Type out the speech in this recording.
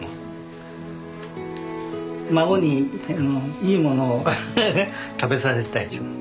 孫にいいものを食べさせたいっちゅう。